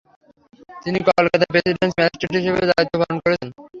তিনি কলকাতায় presidency magistrate হিসেবে দায়িত্বপালন করেছেন।